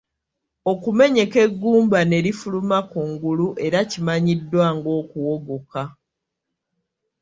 Okumenyeka eggumba ne lifuluma ku ngulu era kimanyiddwa ng'okuwogoka.